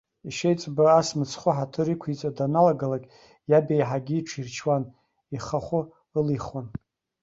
Иашьеиҵбы ас мыцхәы ҳаҭыр иқәиҵо даналагалак, иаб еиҳагьы иҽирчуан, ихахә ылихуан.